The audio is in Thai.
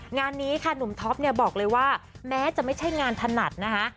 งานนี้ค่ะหนุ่มท็อปเนี่ยบอกเลยว่าแม้จะไม่ใช่งานถนัดนะคะ